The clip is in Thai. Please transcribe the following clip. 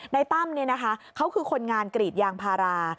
ตั้มเขาคือคนงานกรีดยางพารา